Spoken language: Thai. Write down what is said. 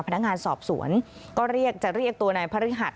พนักงานสอบสวนก็จะเรียกตัวในภรรยหัส